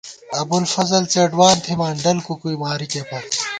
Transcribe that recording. ابُوالفضل څېڈوان تھِمان ڈلکُکُوئی مارِکےپت